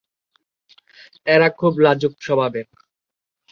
এরা খুব লাজুক স্বভাবের।